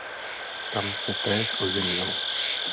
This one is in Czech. Tam se též oženil.